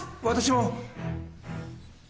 私も！